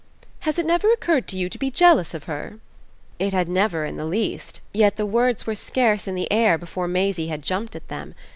"Has it never occurred to you to be jealous of her?" It never had in the least; yet the words were scarce in the air before Maisie had jumped at them.